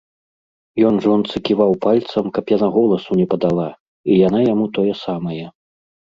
Ён жонцы ківаў пальцам, каб яна голасу не падала, і яна яму тое самае.